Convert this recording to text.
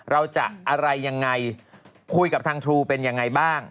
เราจะอะไรยังไงคุยกับทางทรูเป็นยังไงบ้าง